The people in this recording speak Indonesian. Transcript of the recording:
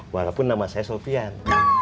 walaupun nama saya sofyan